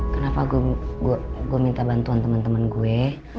kenapa gue minta bantuan temen temen gue